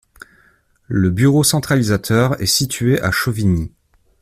Le bureau centralisateur est situé à Chauvigny.